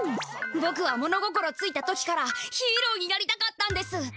ぼくは物心ついた時からヒーローになりたかったんです。